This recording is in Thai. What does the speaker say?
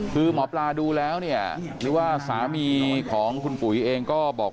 คือหมอปราดูแล้วนึกว่าสามีของคุณปุ๋ยิเองก็บอก